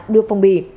đưa phong bì